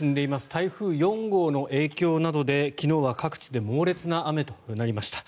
台風４号の影響などで昨日は各地で猛烈な雨となりました。